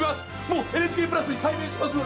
もうＮＨＫプラスに改名します！